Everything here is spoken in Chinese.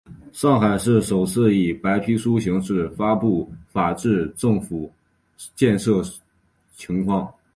上海市首次以白皮书形式发布法治政府建设情况。